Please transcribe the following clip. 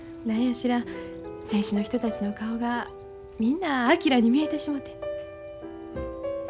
何や知らん選手の人たちの顔がみんな昭に見えてしもて。